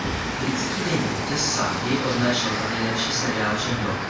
Britský deník "The Sun" jej označil za „nejlepší seriál všech dob“.